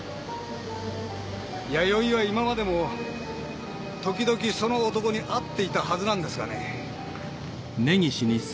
弥生は今までも時々その男に会っていたはずなんですがね。